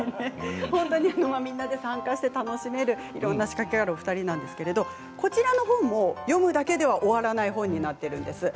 みんなで参加していろんな仕掛けがあるお二人なんですがこちらの本も読むだけでは終わらない本になっているんです。